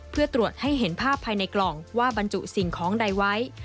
เพื่อตรวจให้เห็นภาพภายในกล่องว่าบรรจุสิ่งของใดไว้